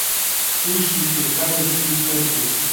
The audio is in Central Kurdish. تووشی پێکانێکی سەر بوو